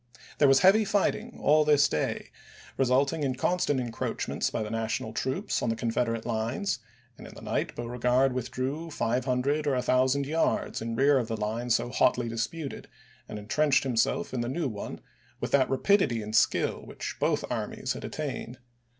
There was heavy fighting all this day, resulting in constant encroachments by the Na tional troops on the Confederate lines ; and in the night Beauregard withdrew 500 or 1000 yards in rear of the line so hotly disputed, and intrenched himself in the new one with that rapidity and skill which both armies had attained.